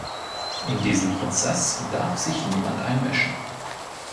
In diesen Prozess darf sich niemand einmischen.